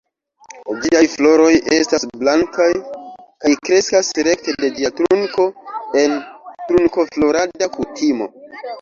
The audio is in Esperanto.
Ĝiaj floroj estas blankaj kaj kreskas rekte de ĝia trunko en trunkoflorada kutimo.